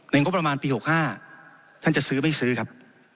งบประมาณปี๖๕ท่านจะซื้อไม่ซื้อครับ